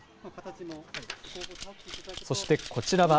そしてこちらは、